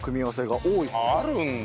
あるんだ。